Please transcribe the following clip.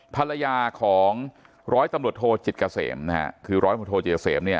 ภรรยาของร้อยตำรวจโทจิตเกษมนะฮะคือร้อยตำรวจโทเจเสมเนี่ย